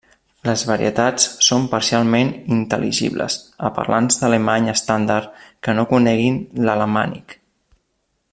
Les varietats són parcialment intel·ligibles a parlants d'alemany estàndard que no coneguin l'alamànic.